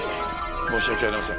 申し訳ありません。